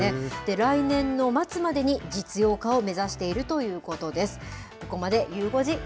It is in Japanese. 来年の末までに、実用化を目指しているということです。